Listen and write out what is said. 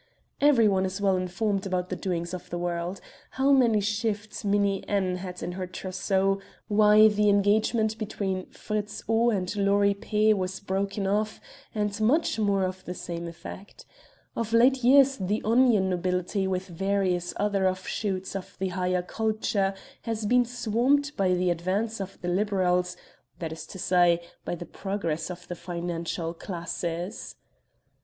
Everyone is well informed about the doings of the world how many shifts Minnie N. had in her trousseau, why the engagement between Fritz O. and Lori P. was broken off, and much more to the same effect. Of late years the 'onion nobility,' with various other offshoots of the higher culture, has been swamped by the advance of the liberals, that is to say, by the progress of the financial classes.